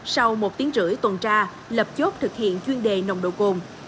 sau một tiếng rưỡi tuần tra lập chốt thực hiện chuyên đề nồng độ cồn